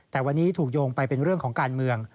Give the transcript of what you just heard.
แต่วันนี้ถูกโยงไปเป็นเรื่องของการเมือง